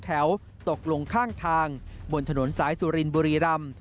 ตกลงข้างทางบนถนนสายสุรินบุรีรำ